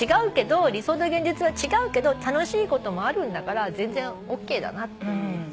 理想と現実は違うけど楽しいこともあるんだから全然ＯＫだなって。